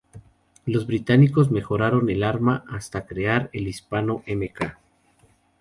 Los británicos mejoraron el arma hasta crear el Hispano Mk.